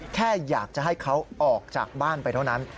แค่อยากจะให้เขาออกจากบ้านไปเท่านั้น